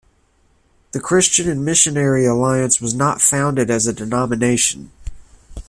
The Christian and Missionary Alliance was not founded as a denomination.